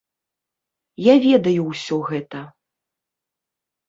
Я ведаю ўсё гэта.